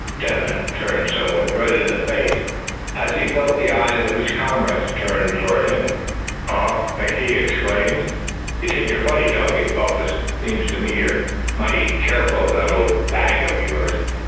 Step hen turned somewhat red in the face, as he felt the eyes of his comrades turned toward him. "Huh!" he exclaimed, "think you're funny, don't you, Bumpus? Seems to me you're mighty careful of that old bag of yours.